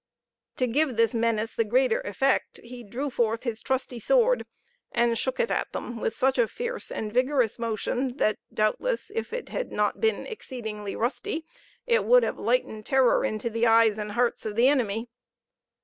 To give this menace the greater effect, he drew forth his trusty sword, and shook it at them with such a fierce and vigorous motion that doubtless, if it had not been exceeding rusty, it would have lightened terror into the eyes and hearts of the enemy.